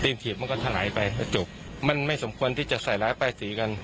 ตินถีบมันก็หลายใบจบมันไม่สมควรที่จะใส่รายแป้สีกัน